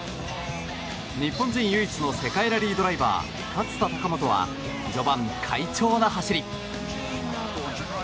日本人唯一の世界ラリードライバー勝田貴元は序盤、快調な走り。